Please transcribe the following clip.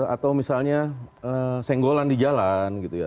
atau misalnya senggolan di jalan gitu ya